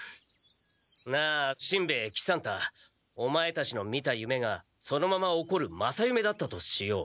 なあしんべヱ喜三太オマエたちの見た夢がそのまま起こる正夢だったとしよう。